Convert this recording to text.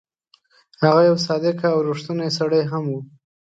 هغه یو صادق او ریښتونی سړی هم وو.